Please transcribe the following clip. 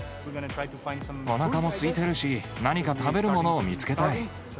おなかもすいてるし、何か食べるものを見つけたい。